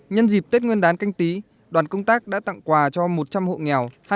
nhân dịp tết nguyên đán canh tí đoàn công tác đã tặng quà cho một trăm linh hộ nghèo